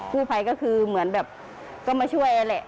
ผู้ภัยก็คือเหมือนแบบก็มาช่วยนั่นแหละ